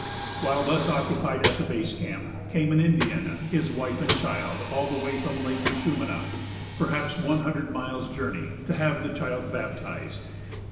While thus occupied at the base camp, came an Indian, his wife and child, all the way from Lake Minchúmina, perhaps one hundred miles' journey, to have the child baptized.